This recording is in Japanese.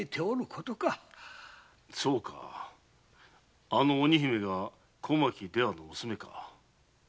そうかあの鬼姫が小牧出羽の娘か。